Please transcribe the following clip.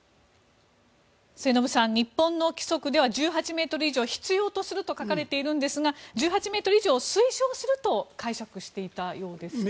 末延さん、日本の規則では１８ｍ以上必要とすると書かれているんですが１８ｍ以上を推奨すると解釈していたようですね。